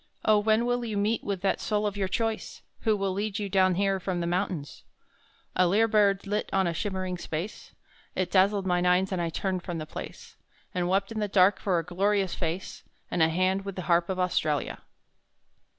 Oh! when will you meet with that soul of your choice, Who will lead you down here from the mountains? A lyre bird lit on a shimmering space; It dazzled mine eyes and I turned from the place, And wept in the dark for a glorious face, And a hand with the Harp of Australia!